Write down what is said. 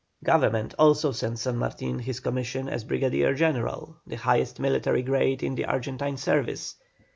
Government also sent San Martin his commission as Brigadier General, the highest military grade in the Argentine service.